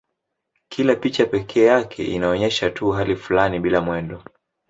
Kila picha pekee yake inaonyesha tu hali fulani bila mwendo.